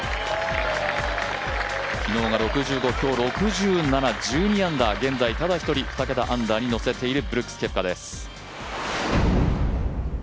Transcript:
昨日が６５、今日６７、１２アンダー、現在ただ１人、２桁アンダーにのせているブルックス・ケプカです。